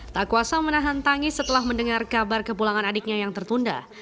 tak kuasa menahan tangis setelah mendengar kabar kepulangan adiknya yang tertunda